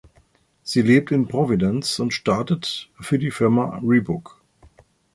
Sie lebt in Providence und startet für die Firma Reebok.